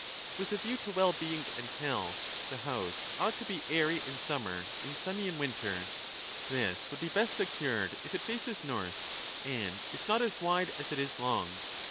With a view to 30 well being and health, the house ought to be airy in summer and sunny in winter. This would be best secured if it faces north and is not as wide as it is long.